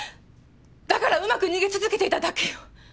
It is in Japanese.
だからうまく逃げ続けていただけよ。